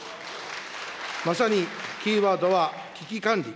まさにキーワードは危機管理。